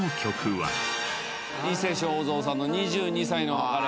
伊勢正三さんの『２２才の別れ』。